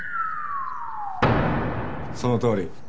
そのとおり。